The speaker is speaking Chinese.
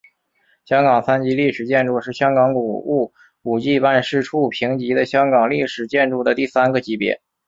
香港三级历史建筑是香港古物古迹办事处评级的香港历史建筑的第三个级别。